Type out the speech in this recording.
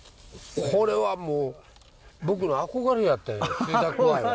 これはもう僕の憧れやってんや吹田くわいは。